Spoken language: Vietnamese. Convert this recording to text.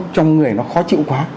trong người nó khó chịu quá